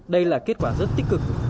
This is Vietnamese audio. đây là kết quả rất tích cực